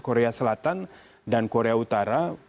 korea selatan dan korea utara